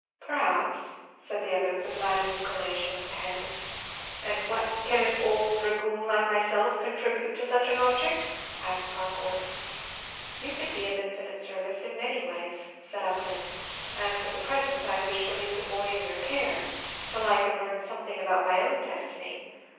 "Perhaps," said the other, with a bland inclination of the head. "And what can an old dragoon like myself contribute to such an object?" asked Harcourt. "You can be of infinite service in many ways," said Upton; "and for the present I wish to leave the boy in your care, till I can learn something about my own destiny.